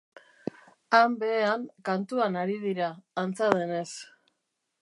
Han behean, kantuan ari dira, antza denez.